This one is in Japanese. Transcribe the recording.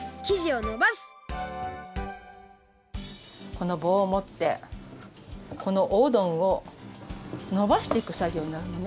このぼうをもってこのおうどんをのばしていくさぎょうになるのね。